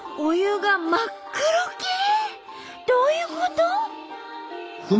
どういうこと？